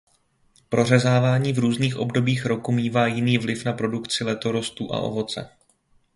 Prořezávání v různých obdobích roku mívá jiný vliv na produkci letorostů a ovoce.